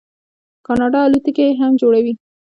کاناډا الوتکې هم جوړوي.